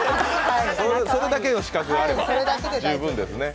それだけの資格があれば十分ですね。